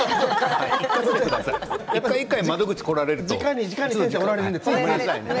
一回一回窓口に来られるとね。